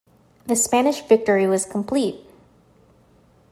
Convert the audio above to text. The Spanish victory was complete.